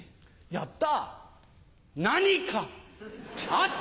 やった。